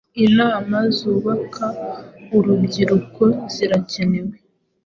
inama zubaka urubyiruko zirakenewe